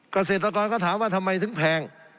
เกษตรกรก็ถามว่าทำไมถึงแพง